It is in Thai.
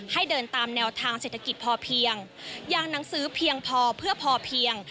ให้เดินตามแนวทางเศรษฐกิจพอเพียงอย่างหนังสือเพียงพอเพื่อพอเพียง